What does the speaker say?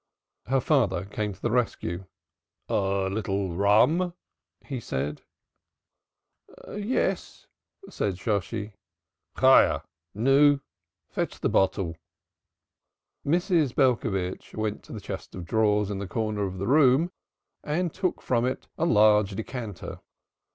The father came to the rescue. "A little rum?" he said. "Yes," said Shosshi. "Chayah! nu. Fetch the bottle!" Mrs. Belcovitch went to the chest of drawers in the corner of the room and took from the top of it a large decanter.